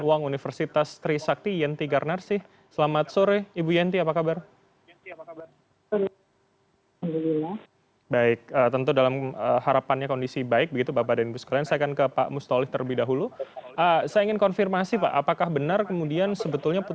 assalamualaikum selamat sore pak mustoleh